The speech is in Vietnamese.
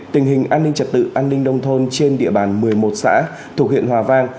tình hình an ninh trật tự an ninh đông thôn trên địa bàn một mươi một xã thuộc huyện hòa vang